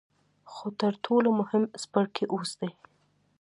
خو تر ټولو مهم څپرکی اوس دی.